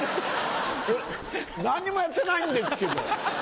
俺何にもやってないんですけど！